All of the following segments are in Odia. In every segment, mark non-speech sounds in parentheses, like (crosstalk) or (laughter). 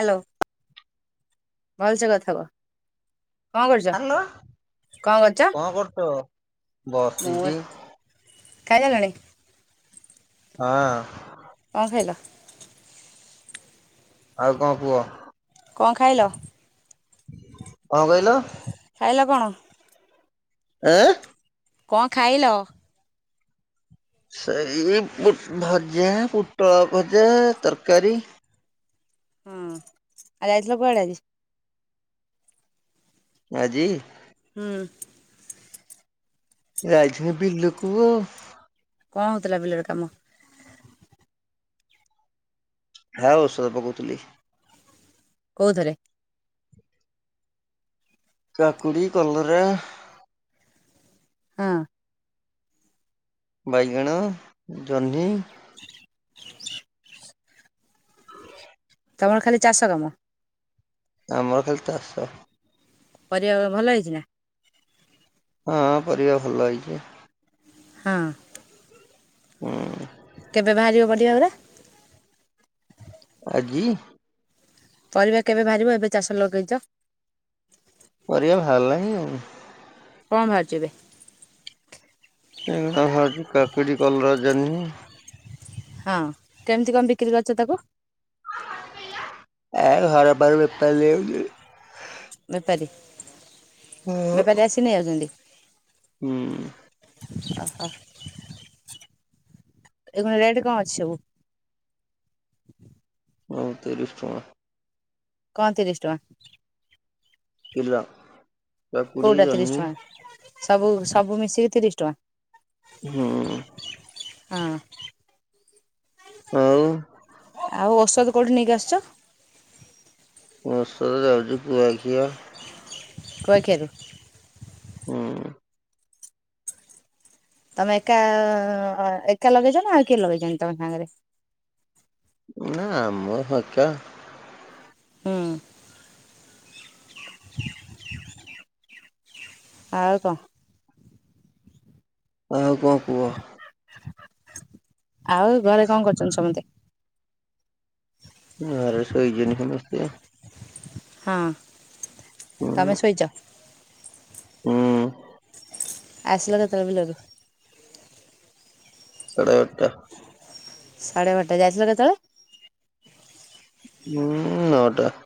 ହାଲୋ ଭଲସେ କଥା ହୁଅ ହାଲୋ କରୁଛ କଣ କରୁଛ ବସିଛି ଖାଇ ସାଇଲଣି ହଁ। କଣ ଖାଇିଲ ଆଉ କଣ କୁହ କଣ ଖାଇଲ (inaudible) କଣ କହିଲ? ଖାଇଲ କଣ ଆଁ କଣ ଖାଇଲ? ସେଇ ପୁଟ୍ ଭଜା ପୁଟଳ ଭଜା ତରକାରୀ। ହଁ ଆଉ ଯାଇଥିଲ କୁଆଡେ ଆଜି। ଆଜି, ହୁଁ, ଜାଇଥିନି ବିଲୁକୁ କଣ ହେଉଥିଲା ବିଲରେ କାମ। ହା ଔଷଦ ପକଉଥିଲି, କୋଉଥେରେ, କାକୁଡି, କଲରା, ହଁ (inaudible) ବାଇଗଣ, ଜହ୍ନି, (inaudible) ତମର ଖାଲି ଚାଷ କାମ ଆମର ଖାଲି ଚାଷ ପରିବା ଭଲ ହେଇଛି ନା ହଁ ପରିବା ଭଲ ହେଇଛି, ହଁ, ହୁଁ, ଦିଆକୁଡା (inaudible) ଆଜି (inaudible) ପରିବା କେବେ ବାହାରିବ ଏବେ ଚାଷ ଲଗେଇଛ। ପରିବା ବାହାରିଲାଣି ଆଉ, କଣ ବାହାରିଛିି ଏବେ, ଏଇ କୁଣି ବାହାରିଛି କାକୁଡ଼ି, କଲରା, ଜହ୍ନୀ ହଁ କେମିତି କଣ ବିକ୍ରି କରଛ ତାକୁ। ଏ ଘର ପାଖରୁ ବେପରି ନେଇଯାଉଚି। ବେପାରୀ, ବେପାରୀ ଆସି ନେଉଛନ୍ତି। ହୁଁ । ଆସ ଏ (unintelligible) ରେଟ କାମ ଅଛି ସବୁ? ହୁଁ ତିରିଶ ଟଙ୍କା । କଣ, ତିରିଶ ଟଙ୍କା? କିଲା କଉଟା ତିରିଶ ଟଙ୍କା? ସବୁ, ସବୁ ମିଶିକି ତିରିଶ ଟଙ୍କା। ହୁଁ । ହଁ । ଆଉ । ତାକୁ କେଉଠି ନେଇକି ଆସିଛ? ବସରେ ଯାଉଛି କୁଆଖିଆ କୁଆଖିଆ ରୁ ହଁ । ତମେ ଏକାଆ, ଏକା ଲଗେଇଛ ନା ଆଉ କିଏ ଲଗେଇଛନ୍ତି, ତମ ସାଙ୍ଗରେ? ନା, ଆ ମୁଁ ହଖ ହଁ । ଆଉ କହ? ଆଉ କଣ କୁହ? ଆଉ, ଘରେ କଣ କରୁଛନ୍ତି ସମସ୍ତେ? ଆରେ ଶୋଇଯନି ସମସ୍ତେ? ହଁ । ହୁଁ ତମେ ଶୋଇଚ? ହୁଁ । ଆସିଲ କେତେଳେ ବିଲରୁ? ସାଢ଼େ ଏଗାଟା ସାଢ଼େ ବାରଟା ଯାଇଥିଲ କେତେବେଳେ? ହୁଁ, ନଅଟା ।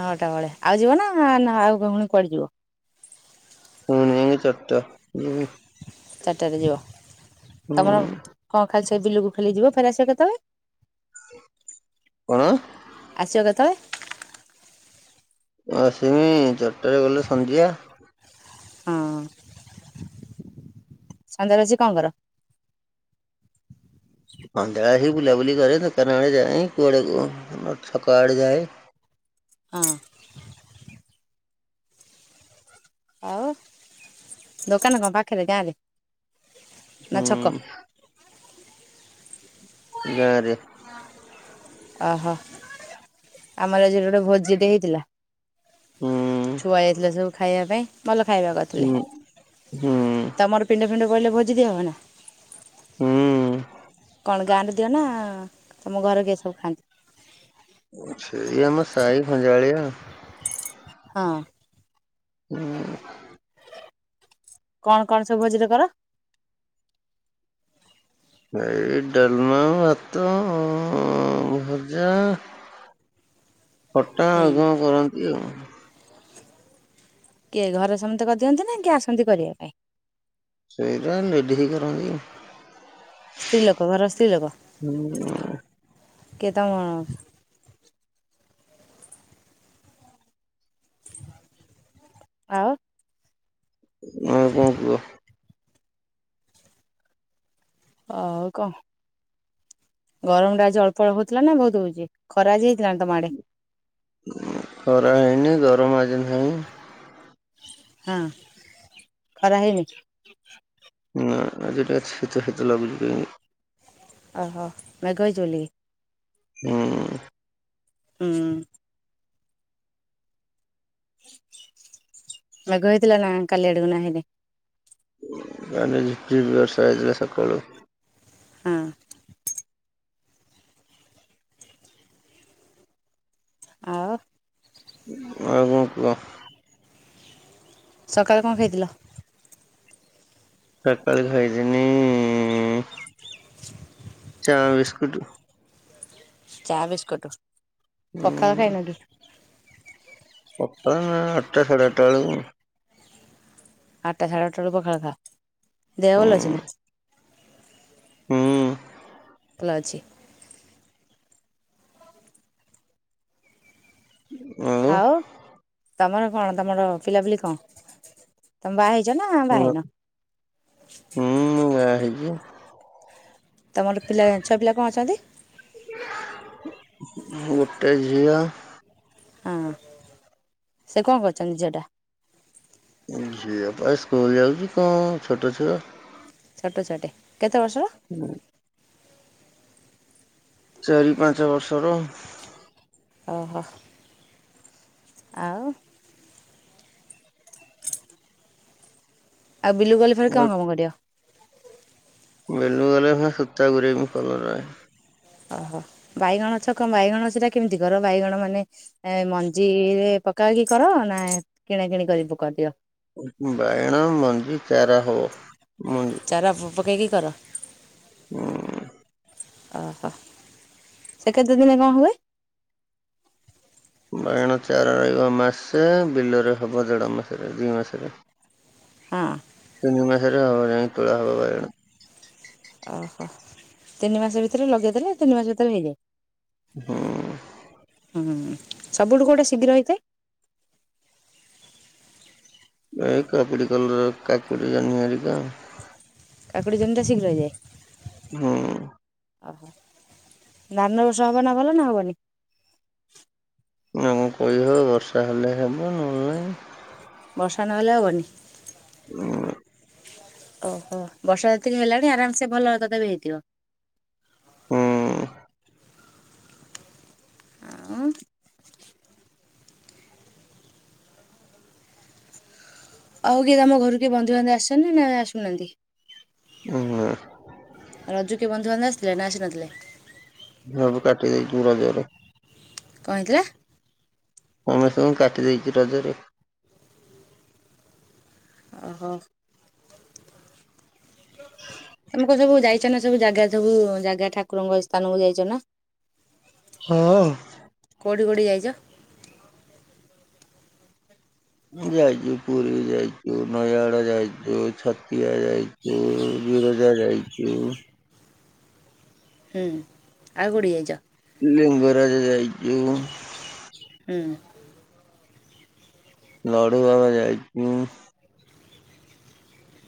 ନଅଟା ବେଳେ, ଆଉ ଯିବ ନା ନା, ଆଉ ଭଉଣୀ କୁଆଡେ ଯିବ? ପୁଣି ଚାରଟା, ହୁଁ । ଚାଟାରେ ଯିବ । ତମର କଣ ଖାଲି ସେ ବିଲକୁ ଖାଲି ଯିବ ଫେର ଆସିବ କେତବେ କଣ? ଆଶିବ କେଥଳେ ଆସିବି, ଚାରିଟାରେ ଗଲେ ସନ୍ଧ୍ୟା ହଁ । ସନ୍ଦ୍ୟାବାଛି କଣ କର? ଅ (unintelligible) ବୁଲାବୁଲି କରେ, ଦୋକାନ ଆଡ଼େ ଯାଏ, କୁଆଡ଼େ ଯଉ ଛକ ଆଡ଼େ ଯାଏ । ହଁ । ଆଉ, ଦୋକାନ କଣ ପାଖରେ ଗାଁରେ? ନା, ଛକ? ଗାଁରେ ଓହୋ! ଆମର ଆଜି ଗୋଟେ ଭୋଜିଟେ ହେଇଥିଲା। ହୁଁ । ଛୁଆ ଯାଇଥିଲା ସବୁ ଖାଇବା ପାଇଁ। ଭଲ ଖାଇବା କରିଥିଲେ। ହୁଁ ହୁଁ ତମର୍ ପିଣ୍ଡ ତୁଣ୍ଡ କଇଲେ ଭୋଜି ଦିଆ ହବ ନା? ହୁଁ। କଣ ଗାଁରେ ଦିଅ ନା ତମ ଘରେ କି ସବୁ ଖାଆନ୍ତି? ଏଇଏମ ସାହି ଖଞଜାଳିଆ। ହଁ। (inaudible) କଣ କଣ ସବୁ ଭୋଜିରେ କର? ଏଇ ଡାଲମା, ଭାତ, ଭଜା ଖଟା ହୁଁ ଆଉ କଅଁ ରୁରନ୍ତି ଆଉ। କିଏ ଘରେ ସମସ୍ତେ କରିଦିଅନ୍ତି ନା କିଏ ଆସନ୍ତି କରିବା ପାଇଁ? ସେଇଟା ଲେଡିକି ତ କରନ୍ତି ହ। ସ୍ତ୍ରୀ ଲୋକ ଘର ସ୍ତ୍ରୀ ଲୋକ କିଏ ତମ ଆଉ? ଆଉ କଣ କୁହ? ହଉ କଣ ଗରମ ଟା ଜ ଅଳ୍ପ ଅଳ ହଉଥିଲା ନା ବହୁତ ହଉଛି ଖରାଜ ହେଇ କରା ହେଇନି ତ (unintelligible) ହଁ ଖରା ହେଇନି? ନା ଆଜି ତ ଶୀତ ଶୀତ ଲାଗୁଚି କାଇଁ। ଓହୋ ମେଘ ହେଇ ଚିବୋଲିକି। ହୁଁ। ହୁଁ। ମେଘ ହେଇଥିଲା ନା କାଲି ଆଡକୁ ନା ହେଇନି? ନା ନା ଝିପଝିପ ବର୍ଷ ହେଇଥିଲା ସକାଳୁ। ହଁ। ଆଉ ଆଉ କଣ କୁହ? ସକାଳେ କଣ ଖାଇଥିଲ? ସକାଳେ ଖାଇଥିନି ଚା ବିସ୍କୁଟ। ଚା ବିସ୍କୁଟ। ହୁଁ ପଖାଳ ଖାଇନ କି? ପଖାଳ ନା ଆଠଟା ସାଢେ ଆଠଟା ବେଳକୁ। ଆଠଟା ସାଢ଼େ ଆଠଟା ବେଳକୁ ପଖାଳ ଖାଅ। ଦେହ ଭଲ ହୁଁ ଅଛିନା? ହୁଁ। କୋଳା ଅଛି ଆଉ। ତମର କଣ ତମର ପିଲା ପିଲି କଣ ତମେ ବାହା ହେଇ ଜ ନା ବାହା ହେଇନା? ହେଇଚି। ତମର ପିଲା ଛୁଆ ପିଲା କଣ ଅଛନ୍ତି? ଗୋଟେ ଝିଅ ହଁ ସେ କଣ କରୁଛନ୍ତି ଝିଅଟା? ଝିଅଟା ସ୍କୁଲ ଯାଉଛି କଣ ଛୋଟ ଛୁଆ। ଛୋଟ ଛୁଆଟେ? କେତେ ବର୍ଷର? ଚାରି ପାଞ୍ଚ ବର୍ଷ ର। ଓହୋ। ଆଉ? ବିଲୁକୁ ଗଲେ ଫେରେ କଣ କାମ କରିବ? ବିଲୁକୁ ଗଲେ ଫା ସୂତା ଗୁରେଇବୁ କଲରା ରେ ଓହୋ ବାଇଗଣ ଗଛ କଣ ବାଇଗଣ ସେଟା କେମିତି କର ବାଇଗଣ ମାନେ ମଞ୍ଜିରେ ପକାଇ କି କର ନା କିଣା କିିଣି କରି ପକରିଦିଅ। ଚାରାହଉ ଚାର ପକେଇ କି କର ଉଁ ଓହୋ ସେ କେତେ ଦିନେ କଣ ହୁଏ? ବାଇଣ ଚାରା ରହିବ ମାସେ ବିଲରେ ହବ ଦେଢ ମାସରେ ଦି ମାସରେ ହଁ। ତିନି ମାସରେ ହବ ଯାଇ ତୁଳା ହବ ବାରଗଣ ଓହୋ ତିନି ମାସ ଭିତରେ ଲଗେଇଦେଲେ ତିନି ମାସ ଭିତରେ ହେଇଯାଏ। ହୁଁ। ହୁଁ ସବୁଠୁ କୋଉଟା ଶିଗିର ହେଇଯାଏ। ଏ କାକୁଡ଼ି କଲରା କାକୁଡ଼ି ଜହ୍ନି ହରିକା ଆଉ। କାକୁଡି କେମିତି ଶୀଘ୍ର ହେଇଯାଏ। ହୁଁ। ଓହୋ ଧାନ ଏ ବର୍ଷ ହବ ନା ଭଲ ନା ହବନି? ଏଟା କଣ କହିହବ ବର୍ଷା ହେଲେ ହେବ ନହେଲେ ନାହିଁ। ବର୍ଷା ନହେଲେ ହବନି। ହୁଁ। ଓହୋ ବର୍ଷା ଯେତିକି ହେଲାଣି ଆରାମସେ ଭଲ ତଥାପି ହେଇଥିବ। ହୁଁ ଆଉ ଆଉ କିଏ ତମ ଘରୁକୁ କିଏ ବନ୍ଧୁବାନ୍ଧବ ଆସିଛନ୍ତି ନା ଆସୁନାହାନ୍ତି। ହୁଁ ରଜୁ କିଏ ବନ୍ଧୁବାନ୍ଧବ ଆସି ଚେନା ଆସିନଥିଲେ। ସବୁ କାଟିଦେଇଛି ମୁଁ ବନ୍ଧୁବାନ୍ଧବ କଣ ହେଇଥିଲା? ସମସ୍ତଙ୍କୁ କାଟି ଦେଇଛି ରଜରେ ଓହୋ। ତମେ କୋଉସବୁ ଯାଇଛନ ସବୁ ଜାଗା ସବୁ ଜାଗା ଠାକୁରଙ୍କ ସ୍ଥାନକୁୁ ଯାଇଛନା ହଁଅ। କୋଉଠି କୋଉଠି ଯାଇଛ। ଯାଇଛୁ ପୁରୀ ଯାଇଛୁ ନୟାଗଡ଼ ଯାଇଛୁ ଛତିଆ ଯାଇଛୁ ବିରଜା ଯାଇଛୁ। ହୁଁ ଆଉ କୋଉଠି ଯାଇଛ? (unintelligible) (inaudible) (inaudible) ଲଡୁ ବାବା ଯାଇଛୁ।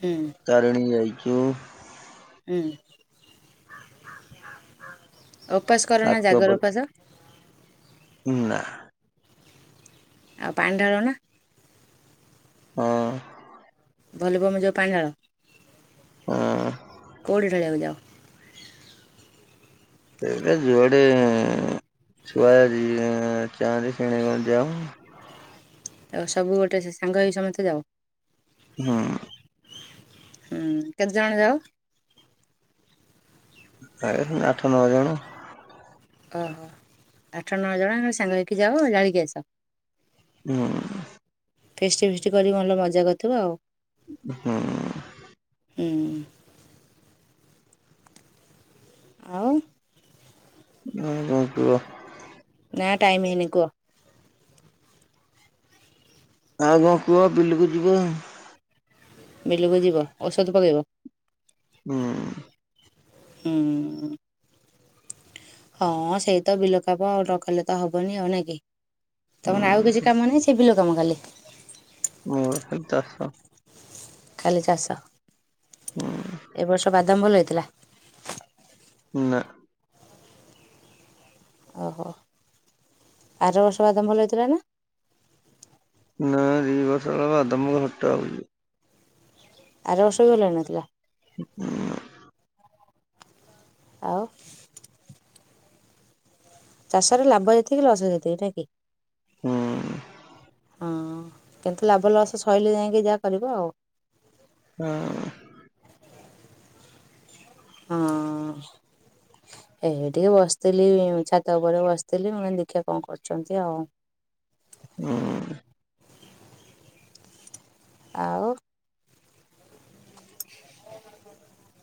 ହୁଁ (inaudible) (inaudible) ଓପାସ କର ନା ଆଖପାଖ ଜାଗର ଓପାସ? ନା। ଆଉ ପାାଣିଢାଳନା? ହଁ। (unintelligible) ହଁ। କୋଉଠି ଢାଳିବାକୁ ଯାଅ? ସେଇଟା ଯୁଆଡ଼େ ଛୁଆ ଯାଆନ୍ତି ସେଇ ଆଡେ ଯାଉଁ। ସବୁ ଗୋଟେ ସାଙ୍ଗ ହୋଇ ସମସ୍ତେ ଯାଅ? ହୁଁ। ହୁଁ କେତେ ଜଣ ଯାଅ? (inaudible) ଆଠ ନଅ ଜଣ। ଓହୋ ଆଠ ନଅ ଜଣ ସାଙ୍ଗ ହେଇକି ଯାଅ ଯାଇକି ଆସ। ହୁଁ। ଫିଷ୍ଟି ଫିଷ୍ଟି କରିକି ଭଲ ମଜା କରିଥିବ ଆଉ। ହୁଁ। ଉଁ। (inaudible) ଆଉ ଆଉ କଣ କୁଅ। ନା ଟାଇମ୍ ହେଇନି କୁହ। ଆଉ କଣ କୁହ ବିଲକୁ ଯିବୁ। ବିଲକୁ ଯିବ। ଔଷଧ ପକେଇବ? ହୁଁ। ହୁଁ। ହଁ ସେଇ ତ ବିଲ କାମ ନ କଲେ ତ ହବନି। ଆଉ ନାଇ କି? ହୁଁ ତମର ଆଉ କିଛି କାମ ନାହିଁ। ସେ ବିଲ (unintelligible) ମୋର ଖାଲି ଚାଷ। ଖାଲି ଚାଷ। ହୁଁ (inaudible) ଏବ ବର୍ଷ ବାଦାମ ଭଲ ହେ ଥିଲା। (inaudible) ନା। ଓହୋ (inaudible) ଆର ବର୍ଷ ବାଦାମ ଭଲ ହେଇଥିଲା ନା? (inaudible) ନା ଦି ବର୍ଷ ହେଲା ବାଦାମ ଭଟା ହଉଚି। ଆର ବର୍ଷ ବି ଭଲ ହେଇନଥିଲା? (inaudible) ଆଉ ଚାଷରେ ଲାଭ ଯେତିକି ଲସ୍ ସେତିକି ନୁହେଁ କି? ହୁଁ। ହୁଁ କିନ୍ତୁ ଲାଭ ଲସ ଶହିଲେ ଯାଇକି ଯାହା କରିବ ଆଉ। ହଁ। ହଁ (inaudible) ଏ ଟିକେ ବସିଥିଲି ଛାତ ଉପରେ ବସିଥିଲି ମୁଁ କହିଲି ଦେଖିଆ କଣ କରୁଛନ୍ତି ଆଉ ହୁଁ। ଆଉ (inaudible)